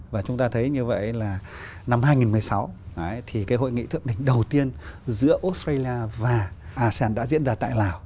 và chúng ta thấy như vậy là năm hai nghìn một mươi sáu thì cái hội nghị thượng đỉnh đầu tiên giữa australia và asean đã diễn ra tại lào